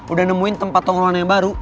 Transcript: udah nemuin tempat tongrongan yang baru